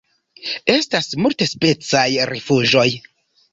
Estas multspecaj rifuĝoj.